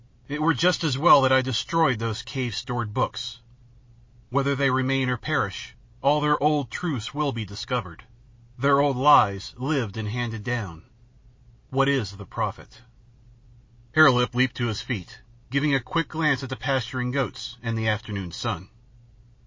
It were just as well that I destroyed those cave stored books whether they remain or perish, all their old truths will be discovered, their old lies lived and handed down. What is the profit " Hare Lip leaped to his feet, giving a quick glance at the pasturing goats and the afternoon sun.